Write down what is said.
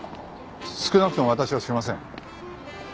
少なくとも私はしません。